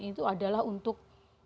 itu adalah untuk